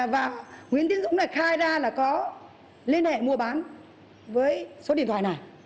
và nguyễn tiến dũng này khai ra là có liên hệ mua bán với số điện thoại này